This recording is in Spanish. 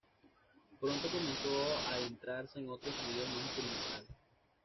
Pronto comenzó a adentrarse en otros sonidos más experimentales.